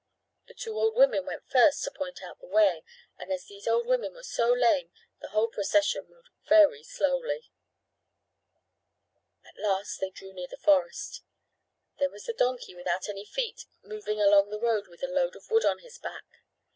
The two old women went first to point out the way, and as these old women were so lame the whole procession moved very slowly. At last they drew near the forest. There was the donkey without any feet moving along the road with a load of wood on his back.